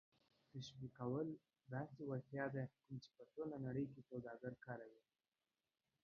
تشویقول داسې وړتیا ده کوم چې په ټوله نړۍ کې سوداگر کاروي